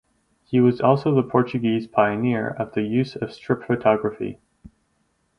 He was also the Portuguese pioneer of the use of strip photography.